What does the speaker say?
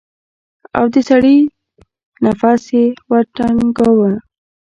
او د سړي نفس يې ورټنگاوه.